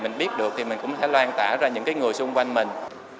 mình biết được thì mình cũng có thể loan tả ra những cái người xung quanh mình